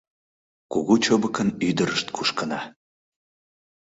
Кугу Чобыкын ӱдырышт кушкына